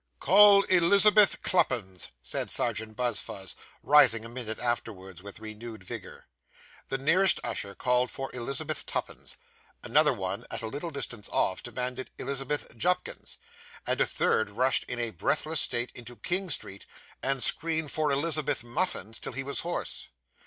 'Call Elizabeth Cluppins,' said Serjeant Buzfuz, rising a minute afterwards, with renewed vigour. The nearest usher called for Elizabeth Tuppins; another one, at a little distance off, demanded Elizabeth Jupkins; and a third rushed in a breathless state into King Street, and screamed for Elizabeth Muffins till he was hoarse.